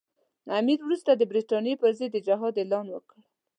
امیر وروسته د برټانیې پر ضد د جهاد اعلان وکړ.